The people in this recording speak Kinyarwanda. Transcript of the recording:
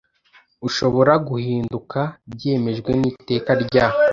ushobora guhinduka byemejwe n iteka rya